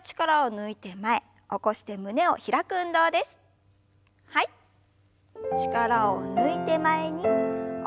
力を抜いて前に。